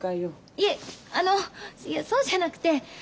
いえあのそうじゃなくて。